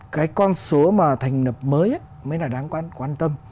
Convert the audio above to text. cái con số mà thành lập mới mới là đáng quan tâm